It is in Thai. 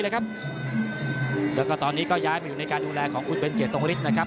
แล้วก็ตอนนี้ก็ย้ายมาอยู่ในการดูแลของคุณเป็นเกียรทรงฤทธินะครับ